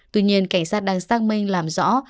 tuy nhiên cảnh sát đang xác minh làm rõ